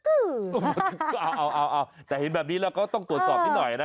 ก็เอาแต่เห็นแบบนี้แล้วก็ต้องตรวจสอบนิดหน่อยนะ